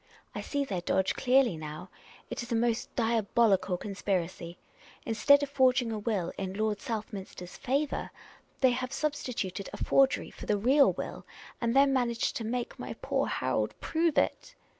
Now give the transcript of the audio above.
I see their dodge clearly now. It is a most diabolical conspiracy. Instead of forging a will in Lord Southminster's favour, thej' ha/e sub stituted a forgery for the real will, and then managed to make my poor Harold prove it."